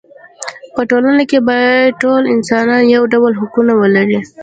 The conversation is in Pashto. په ټولنه کې باید ټول انسانان یو ډول حقوق ولري.